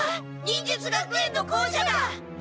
忍術学園の校舎だ！